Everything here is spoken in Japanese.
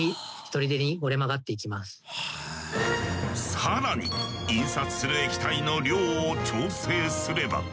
更に印刷する液体の量を調整すれば。